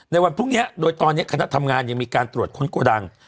ในวันพรุ่งนี้โดยตอนนี้คณะทำงานยังมีการตรวจค้นโกดัง